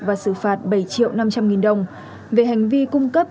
và xử phạt bảy triệu năm trăm linh nghìn đồng về hành vi cung cấp